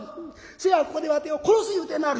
せやここでわてを殺す言うてなはる」。